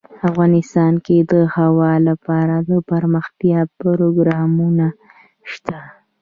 افغانستان کې د هوا لپاره دپرمختیا پروګرامونه شته.